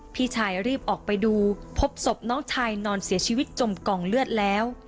พี่ชายรีบออกไปดูพบศพน้องชายนอนเสียชีวิตจมกองเลือดแล้ว